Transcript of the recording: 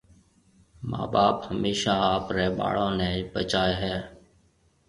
مان ٻاپ هميشا آپريَ ٻاݪو نَي بچائي هيَ۔